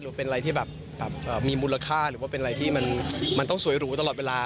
หรือเป็นอะไรที่แบบมีมูลค่าหรือว่าเป็นอะไรที่มันต้องสวยหรูตลอดเวลา